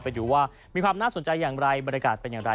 ไปดูว่ามีความน่าสนใจอย่างไรบรรยากาศเป็นอย่างไร